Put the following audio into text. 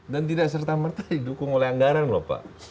dan tidak serta merta didukung oleh anggaran lho pak